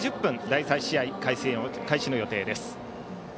第３試合開始の予定です。